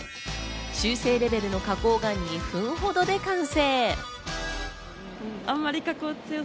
修正レベルの加工が２分ほどで完成。